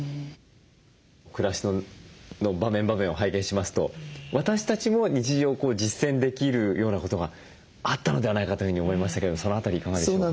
暮らしの場面場面を拝見しますと私たちも日常実践できるようなことがあったのではないかというふうに思いましたけどその辺りいかがでしょうか？